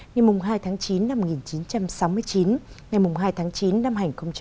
ngày hai tháng chín năm một nghìn chín trăm sáu mươi chín ngày hai tháng chín năm hai nghìn một mươi chín